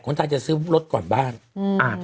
คนไทยจะซื้อรถก่อนบ้านอ่าถูก